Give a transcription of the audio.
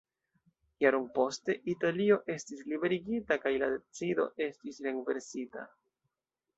Jaron poste, Italio estis liberigita kaj la decido estis renversita.